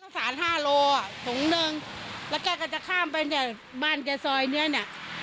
สารห้าโลอ่ะถุงหนึ่งแล้วแกก็จะข้ามไปเนี่ยบ้านแกซอยเนี้ยเนี้ย